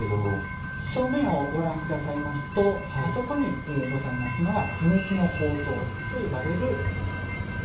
正面をご覧下さいますとあそこにございますのが「不滅の法灯」と呼ばれるものです。